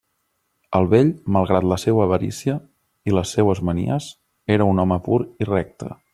El vell, malgrat la seua avarícia i les seues manies, era un home pur i recte.